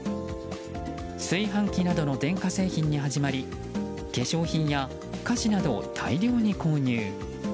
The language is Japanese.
炊飯器などの電化製品に始まり化粧品や菓子などを大量に購入。